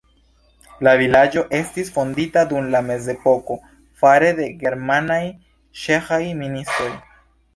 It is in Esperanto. La vilaĝo estis fondita dum la mezepoko fare de germanaj-ĉeĥaj ministoj.